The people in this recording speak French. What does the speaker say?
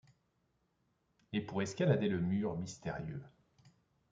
Et, pour escalader le mur mystérieux